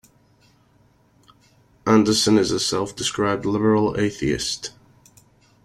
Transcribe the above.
Andersen is a self described "liberal atheist".